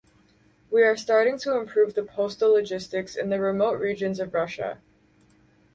We are starting to improve the postal logistics in the remote regions of Russia.